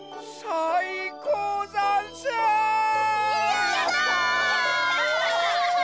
やった！